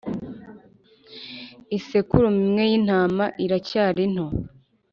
isekurume imwe y ‘intama iracyari nto.